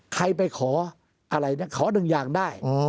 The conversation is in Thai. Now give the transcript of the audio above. ใครไปขออะไรนะขอหนึ่งอย่างได้